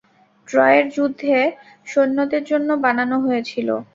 ট্রয়ের যুদ্ধে সৈন্যদের জন্য বানানো হয়েছিলো।